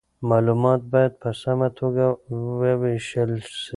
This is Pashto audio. معلومات باید په سمه توګه وویشل سي.